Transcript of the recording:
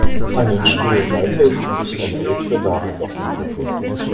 Einen Stuhl weiter ließ sich eine ältere Dame Locken wickeln.